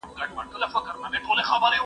زه له سهاره ليکنې کوم؟!